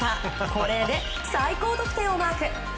これで最高得点をマーク。